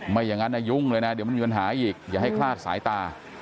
ไม่อย่างนั้นนะยุ่งเลยนะเดี๋ยวมันมีปัญหาอีกอย่าให้คลาดสายตา